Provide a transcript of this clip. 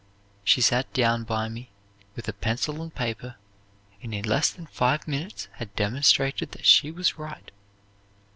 "She sat down by me with a pencil and paper, and in less than five minutes had demonstrated that she was right.